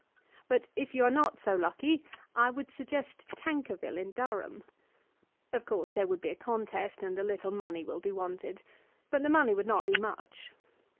But if you are not so lucky I would suggest Tankerville in Durham. Of course there would be a contest, and a little money will be wanted; but the money would not be much.